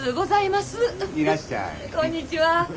こんにちは。